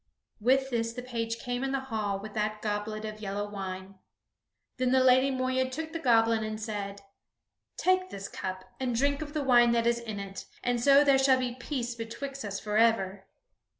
With this the page came in the hall with that goblet of yellow wine. Then the Lady Moeya took the goblet and said: "Take this cup, and drink of the wine that is in it, and so there shall be peace betwixt us forever."